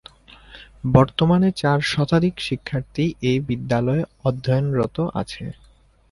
বর্তমানে চার শতাধিক শিক্ষার্থী এ বিদ্যালয়ে অধ্যয়নরত আছে।